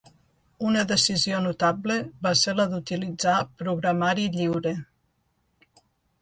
Una decisió notable va ser la d'utilitzar programari lliure.